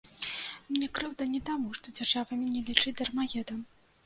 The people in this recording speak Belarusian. Мне крыўдна не таму, што дзяржава мяне лічыць дармаедам.